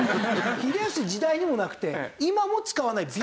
秀吉の時代にもなくて今も使わない。